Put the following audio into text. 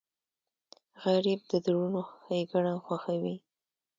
غریب د زړونو ښیګڼه خوښوي